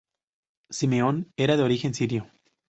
Simeón era de origen sirio.